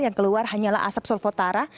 yang keluar hanyalah asap sulvotara